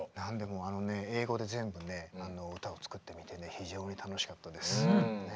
英語で全部歌を作ってみて非常に楽しかったです。